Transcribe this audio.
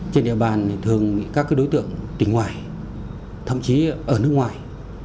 trên địa bàn thường bị các đối tượng tỉnh ngoài thậm chí ở nước ngoài